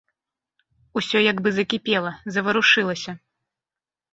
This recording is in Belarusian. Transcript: Усё як бы закіпела, заварушылася.